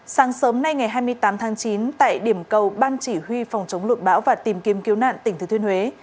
sáng sớm nay ngày hai mươi tám tháng chín tại điểm cầu ban chỉ huy phòng chống lụt bão và tìm kiếm cứu nạn tỉnh thừa thuyên huế